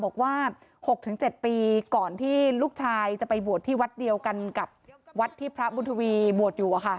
บอกว่า๖๗ปีก่อนที่ลูกชายจะไปบวชที่วัดเดียวกันกับวัดที่พระบุญทวีบวชอยู่